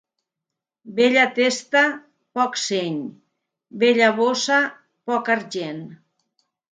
Bella testa, poc seny; bella bossa, poc argent.